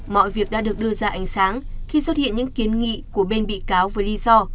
mọi việc đã được đưa ra ánh sáng khi xuất hiện những kiến nghị của bên bị cáo với lý do